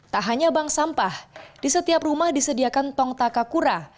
tak hanya bank sampah di setiap rumah disediakan tong takakura